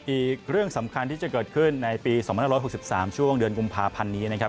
อีกเรื่องสำคัญที่จะเกิดขึ้นในปี๒๕๖๓ช่วงเดือนกุมภาพันธ์นี้นะครับ